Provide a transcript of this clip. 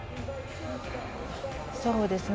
そうですね。